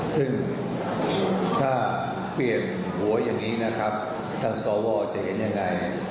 ซึ่งถ้าเปลี่ยนหัวอย่างนี้นะครับท่านสวจะเห็นยังไง